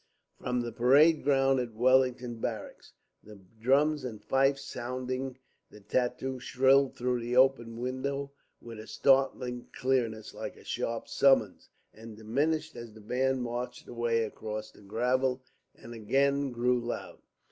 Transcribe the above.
From the parade ground of Wellington Barracks the drums and fifes sounding the tattoo shrilled through the open window with a startling clearness like a sharp summons, and diminished as the band marched away across the gravel and again grew loud.